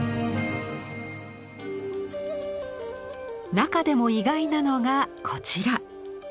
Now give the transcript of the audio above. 中でも意外なのがこちら。